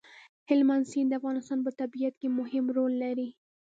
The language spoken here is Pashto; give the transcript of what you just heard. هلمند سیند د افغانستان په طبیعت کې مهم رول لري.